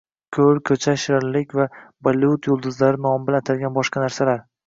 Ko‘l, ko‘cha, shirinlik va Bollivud yulduzlari nomi bilan atalgan boshqa narsalar